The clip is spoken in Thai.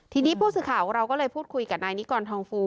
ทีนี้ผู้สื่อข่าวของเราก็เลยพูดคุยกับนายนิกรทองฟูม